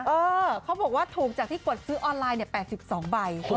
เออเขาบอกว่าถูกจากที่กดซื้อออนไลน์๘๒ใบ